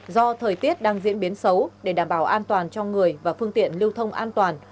do thời tiết đang diễn biến xấu để đảm bảo an toàn cho người và phương tiện lưu thông an toàn